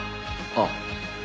あっ。